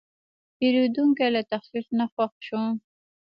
پیرودونکی له تخفیف نه خوښ شو.